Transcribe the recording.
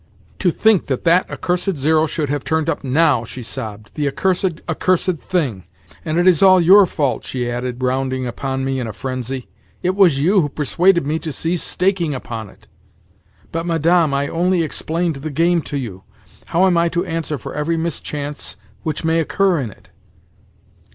"To think that that accursed zero should have turned up now!" she sobbed. "The accursed, accursed thing! And, it is all your fault," she added, rounding upon me in a frenzy. "It was you who persuaded me to cease staking upon it." "But, Madame, I only explained the game to you. How am I to answer for every mischance which may occur in it?"